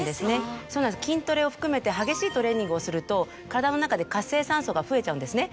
筋トレを含めて激しいトレーニングをすると体の中で活性酸素が増えちゃうんですね。